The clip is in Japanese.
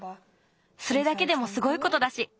それだけでもすごいことだし。